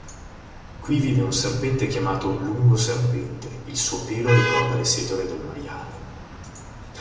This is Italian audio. Qui vive un serpente chiamato lungo-serpente; il suo pelo ricorda le setole del maiale.